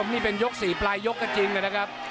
นี่เป็นยก๔ปลายยกก็จริงนะครับ